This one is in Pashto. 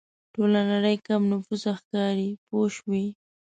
ټوله نړۍ کم نفوسه ښکاري پوه شوې!.